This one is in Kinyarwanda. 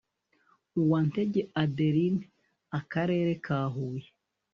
uwantege adelyne akarere ka huye